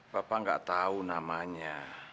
bapak gak tau namanya